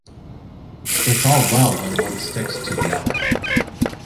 It's all well when one sticks to the other.